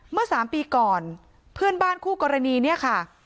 เมื่อสามปีก่อนเพื่อนบ้านคู่กรณีเนี่ยค่ะ